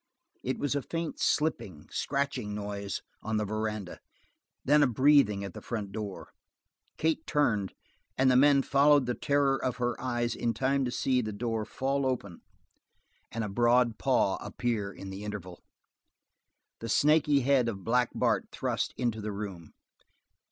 It was a faint slipping, scratching noise on the veranda; then a breathing at the front door. Kate turned, and the men followed the terror of her eyes in time to see the door fall open, and a broad paw appear in the interval. The snaky head of Black Bart thrust into the room.